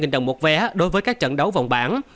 năm trăm linh đồng một vé đối với các trận đấu vòng bản